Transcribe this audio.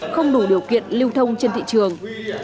không đủ điều kiện lưu thông trên thị trường